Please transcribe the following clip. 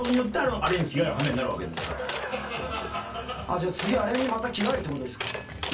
じゃあ次あれにまた着替えるってことですか？